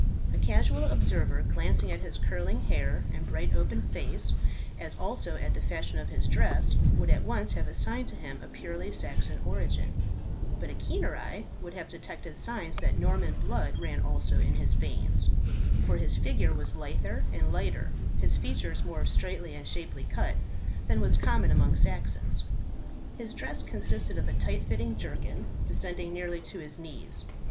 A casual observer glancing at his curling hair and bright open face, as also at the fashion of his dress, would at once have assigned to him a purely Saxon origin; but a keener eye would have detected signs that Norman blood ran also in his veins, for his figure was lither and lighter, his features more straightly and shapely cut, than was common among Saxons. His dress consisted of a tight fitting jerkin, descending nearly to his knees.